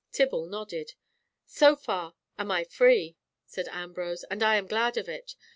Tibble nodded. "So far am I free," said Ambrose, "and I am glad of it.